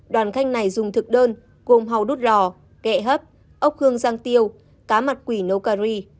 đoàn khách này dùng thực đơn gồm hàu đút rò ghẹ hấp ốc hương rang tiêu cá mặt quỷ nấu curry